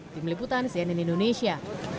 di meliputan cnn indonesia